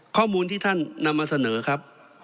ข้อมูลที่ท่านนำมาเสนอครับ